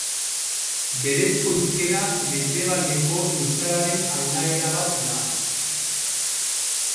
Berezko hizkera mendebaleko euskararen aldaera bat da.